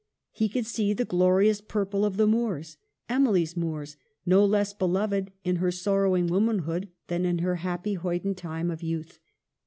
He could see the glorious purple of the moors, Emily's moors, no less beloved in her sorrowing womanhood than in her happy hoyden time of youth.